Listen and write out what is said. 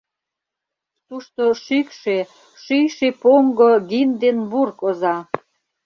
Тушто шӱкшӧ, шӱйшӧ поҥго Гинденбург оза.